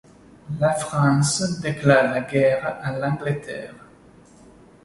La France déclare la guerre à l'Angleterre.